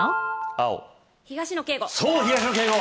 青東野圭吾